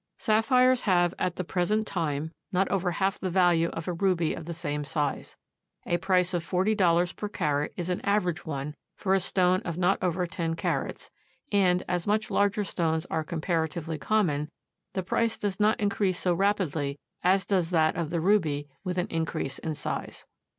Sapphires have at the present time not over half the value of a ruby of the same size. A price of forty dollars per carat is an average one for a stone of not over ten carats and, as much larger stones are comparatively common, the price does not increase so rapidly as does that of the ruby with an increase in size.